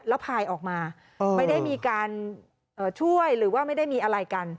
แล้วพายออกมาไม่ได้มีการช่วยหรือว่าไม่ได้มีอะไรกัน